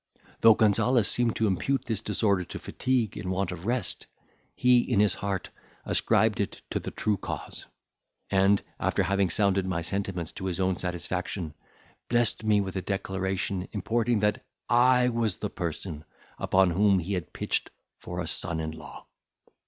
Though Gonzales seemed to impute this disorder to fatigue and want of rest, he in his heart ascribed it to the true cause; and, after having sounded my sentiments to his own satisfaction, blessed me with a declaration, importing, that I was the person upon whom he had pitched for a son in law.